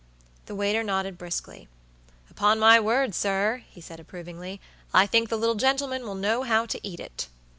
The waiter nodded briskly. "Upon my word, sir," he said, approvingly, "I think the little gentleman will know how to eat it."